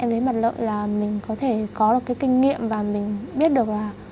em thấy mặt lợi là mình có thể có được cái kinh nghiệm và mình biết được là